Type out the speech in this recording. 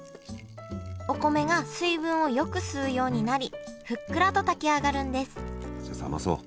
お米が水分をよく吸うようになりふっくらと炊き上がるんですじゃあ冷まそう。